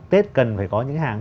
tết cần phải có những hàng